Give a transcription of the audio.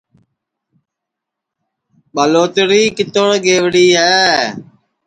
ٻالوتری کِتوڑ گئوڑی ہے